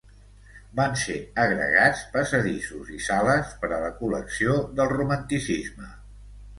Van ser agregats passadissos i sales per a la col·lecció del romanticisme.